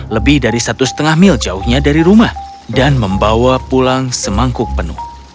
lebih dari satu lima mil jauhnya dari rumah dan membawa pulang semangkuk penuh